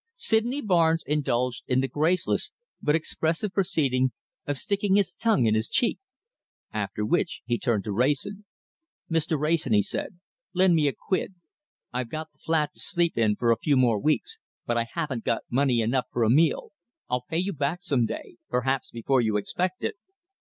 Sydney Barnes indulged in the graceless but expressive proceeding of sticking his tongue in his cheek. After which he turned to Wrayson. "Mr. Wrayson," he said, "lend me a quid. I've got the flat to sleep in for a few more weeks, but I haven't got money enough for a meal. I'll pay you back some day perhaps before you expect it."